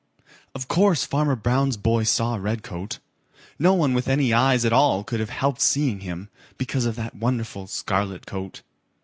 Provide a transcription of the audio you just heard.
Of coarse Farmer Brown's boy saw Redcoat. No one with any eyes at all could have helped seeing him, because of that wonderful scarlet coat.